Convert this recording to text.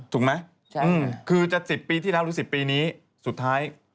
ถูกไหมคือจะ๑๐ปีที่แล้วหรือ๑๐ปีนี้สุดท้าย